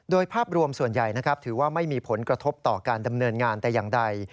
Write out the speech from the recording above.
โดยภาพรวมส่วนใหญ่นะครับถือว่าไม่มีผลกระทบต่อการดำเนินงานแต่อย่างใด